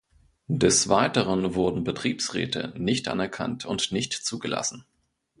Des Weiteren wurden Betriebsräte nicht anerkannt und nicht zugelassen.